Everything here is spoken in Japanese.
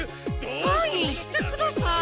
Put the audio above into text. サインしてください。